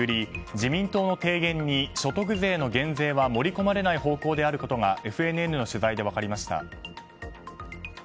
自民党の提言に所得税の減税は盛り込まれない方向であることがＦＮＮの取材で分かりました。